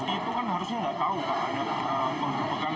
itu kan harusnya nggak tahu pak